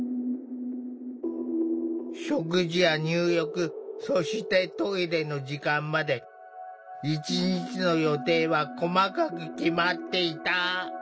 食事や入浴そしてトイレの時間まで一日の予定は細かく決まっていた。